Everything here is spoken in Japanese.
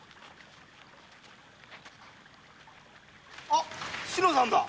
あ志乃さんだ。